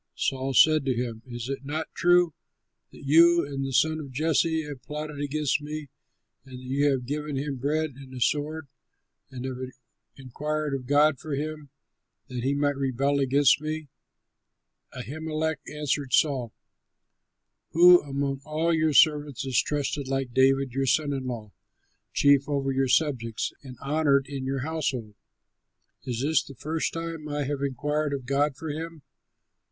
Saul said to him, "Is it not true that you and the son of Jesse have plotted against me and that you have given him bread and a sword and have inquired of God for him, that he might rebel against me?" Ahimelech answered Saul, "Who among all your servants is trusted like David, your son in law, chief over your subjects, and honored in your household? Is this the first time I have inquired of God for him?